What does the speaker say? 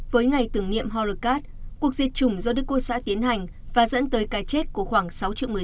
với ngày tưởng niệm horekat cuộc diệt chủng do đức quốc xã tiến hành và dẫn tới cái chết của khoảng sáu triệu người